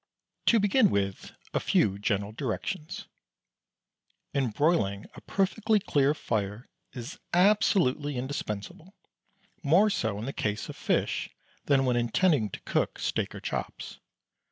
To begin with a few general directions: In broiling a perfectly clear fire is absolutely indispensable; more so in the case of fish than when intending to cook steak or chops.